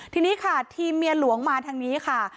ทีนี้ค่ะทีมเมียหลวงมาทางนี้ค่ะ